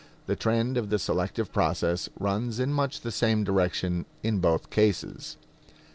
The trend of the selective process runs in much the same direction in both cases.